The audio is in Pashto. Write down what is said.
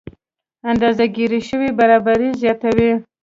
اندازه ګیره شوې برابري زیاتوي.